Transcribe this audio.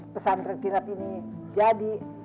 pesan tren kirap ini jadi